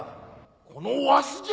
このわしじゃ！